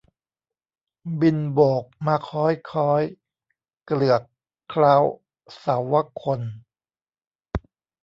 บินโบกมาค้อยค้อย เกลือกเคล้าเสาวคนธ์